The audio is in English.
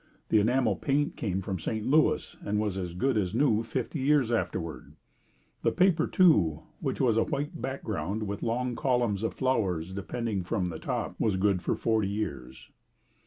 The enamel paint came from St. Louis and was as good as new fifty years afterward. The paper, too, which was a white background with long columns with flowers depending from the top, was good for forty years.